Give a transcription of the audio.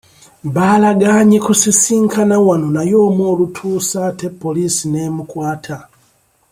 Baalagaanye kusisinkana wano naye omu olutuuse ate poliisi n'emukwata.